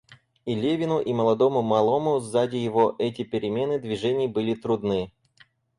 И Левину и молодому малому сзади его эти перемены движений были трудны.